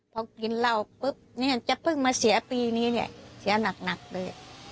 พอกินเหล้าปุ๊บเนี่ยจะเพิ่งมาเสียปีนี้เนี่ยเสียหนักเลย